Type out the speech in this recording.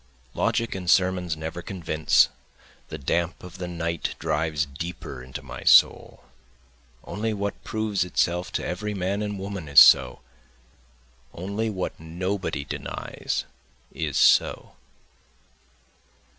Logic and sermons never convince, The damp of the night drives deeper into my soul. (Only what proves itself to every man and woman is so, Only what nobody denies is so.)